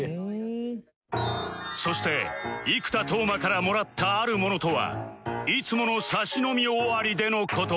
そして生田斗真からもらったある物とはいつものサシ飲み終わりでの事